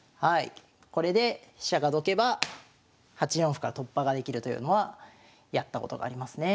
これで飛車がどけば８四歩から突破ができるというのはやったことがありますね。